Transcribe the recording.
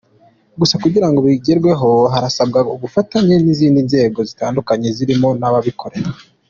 Gusa kugira ngo bigerweho harasabwa ubufatanye n’izindi nzego zitandukanye zirimo n’abikorera .